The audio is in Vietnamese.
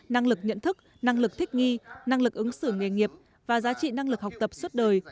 năng lực nhận thức năng lực thích nghi năng lực ứng xử nghề nghiệp và giá trị năng lực học tập suốt đời